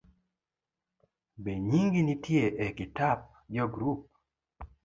Benyingi nitie e kitap jo grup?